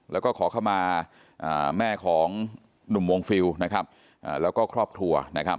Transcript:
และก็ขอเข้าม่าแม่ของหนุ่มวงฟิวแล้วก็ครอบครัว